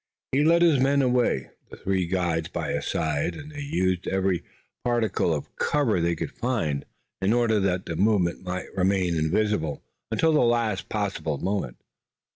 He led his men away, the three guides by his side, and they used every particle of cover they could find, in order that the movement might remain invisible until the last possible moment.